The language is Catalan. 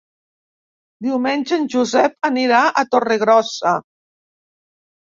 Diumenge en Josep anirà a Torregrossa.